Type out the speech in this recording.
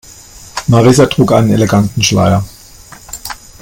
Marissa trug einen eleganten Schleier.